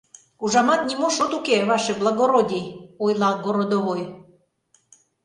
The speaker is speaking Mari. — Ужамат, нимо шот уке, ваше благородий! — ойла городовой.